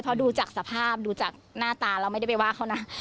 เพราะดูจากสภาพดูจากหน้าตาเราไม่ได้ไปว่าเขานะ